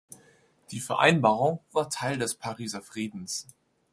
Die Vereinbarung war Teil des Pariser Friedens.